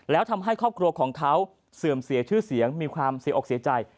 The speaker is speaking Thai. แล้วทำให้ครอบครัวของเขาเสื่อมเสียชื่อเสียงมีความเสียอกเสียใจ